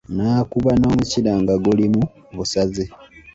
Naakuba n'omukira nga guli mu busaze.